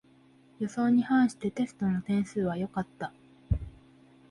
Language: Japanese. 予想に反してテストの点数は良かった